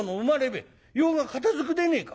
用が片づくでねえか。